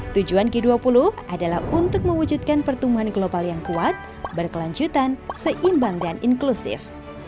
tujuan g dua puluh adalah untuk mewujudkan pertumbuhan global yang kuat berkelanjutan seimbang dan inklusif